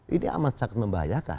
ini amat sangat membahayakan